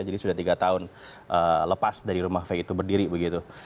jadi sudah tiga tahun lepas dari rumah faye itu berdiri begitu